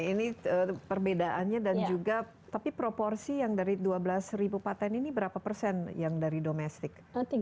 ini perbedaannya dan juga tapi proporsi yang dari dua belas ribu patent ini berapa persen yang dari domestik